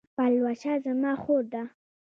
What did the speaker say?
پلوشه زما خور ده